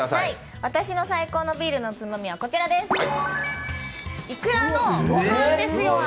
私の最高のビールのおつまみはこちらです。